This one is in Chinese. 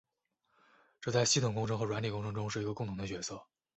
这在系统工程和软体工程中是一个共同的角色。